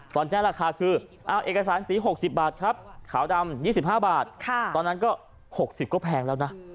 ตอนแจ้งราคาคือเอาเอกสารสี๖๐บาทครับขาวดำ๒๕บาทตอนนั้นก็๖๐ก็แพงแล้วนะ